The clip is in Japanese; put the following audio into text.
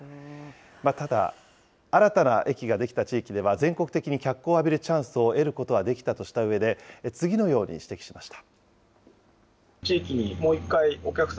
ただ、新たな駅が出来た地域では、全国的に脚光を浴びるチャンスを得ることはできたとしたうえで、次のように指摘しました。